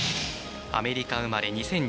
アメリカ生まれ